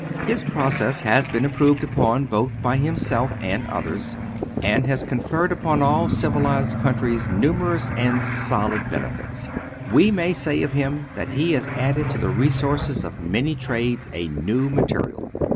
His process has been improved upon both by himself and others, and has conferred upon all civilized countries numerous and solid benefits. We may say of him that he has added to the resources of many trades a new material.